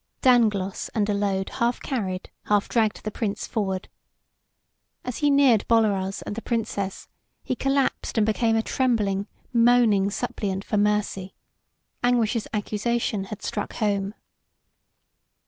Dangloss and Allode half carried, half dragged the Prince forward. As he neared Bolaroz and the Princess he collapsed and became a trembling, moaning suppliant for mercy. Anguish's accusation had struck home.